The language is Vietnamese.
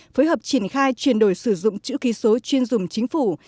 phối hợp triển khai chuyển đổi sử dụng chữ ký số chuyên dùng chính phủ